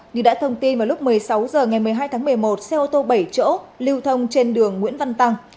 như đã thông tin vào lúc một mươi sáu h ngày một mươi hai tháng một mươi một xe ô tô bảy chỗ lưu thông trên đường nguyễn văn tăng